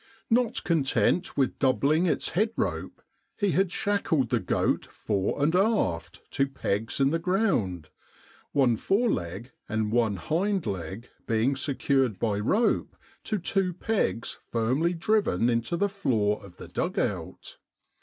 Not content with doubling its head rope, he had shackled the goat fore and aft to pegs in the ground— one fore leg and one hind leg 140 EBENEEZER THE GOAT being secured by rope to two pegs firmly driven into the floor of the dug out.